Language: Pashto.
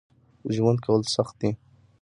ژوند کول سخت دي